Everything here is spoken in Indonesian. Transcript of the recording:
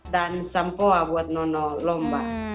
dan sampoa buat nono lomba